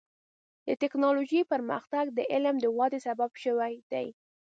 د ټکنالوجۍ پرمختګ د علم د ودې سبب شوی دی.